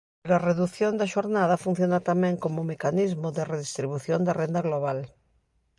Pero a redución da xornada funciona tamén como mecanismo de redistribución da renda global.